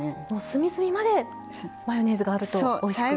隅々までマヨネーズがあるとおいしく。